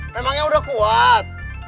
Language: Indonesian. memangnya udah kuat